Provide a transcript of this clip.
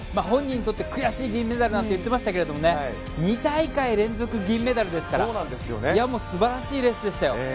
本人にとって悔しい銀メダルと言っていましたけど２大会連続で銀メダルですから素晴らしいレースでした。